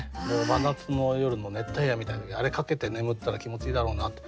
真夏の夜の熱帯夜みたいな時にあれ掛けて眠ったら気持ちいいだろうなと。